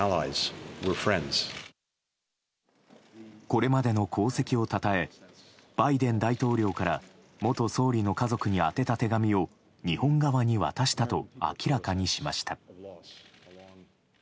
これまでの功績を称えバイデン大統領から元総理の家族に宛てた手紙を日本側に渡したと明らかにしました。